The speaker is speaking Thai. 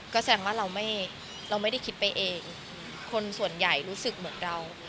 ก็แสดงว่าเราไม่เราไม่ได้คิดไปเองคนส่วนใหญ่รู้สึกเหมือนเรา